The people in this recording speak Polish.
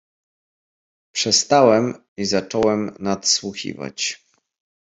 "Przestałem i zacząłem nadsłuchiwać."